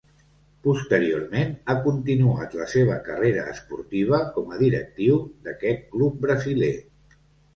Posteriorment ha continuat la seva carrera esportiva com a directiu d'aquest club brasiler.